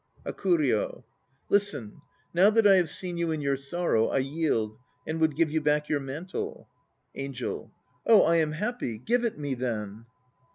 HAKURYO. Listen. Now that I have seen you in your sorrow, I yield and would give you back your mantle. ANGEL. Oh, I am happy! Give it me then!